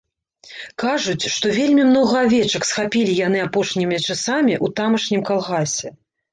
Кажуць, што вельмі многа авечак схапілі яны апошнімі часамі ў тамашнім калгасе.